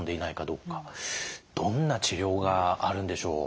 どんな治療があるんでしょう？